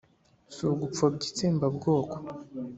si ugupfobya itsembabwoko!